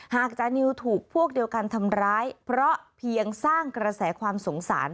จานิวถูกพวกเดียวกันทำร้ายเพราะเพียงสร้างกระแสความสงสาร